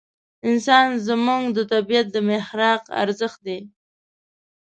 انسان زموږ د طبعیت د محراق ارزښت دی.